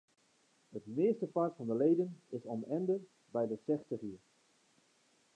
It meastepart fan de leden is om ende by de sechstich jier.